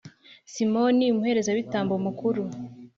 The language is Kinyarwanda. Simoni, umuherezabitambo mukuru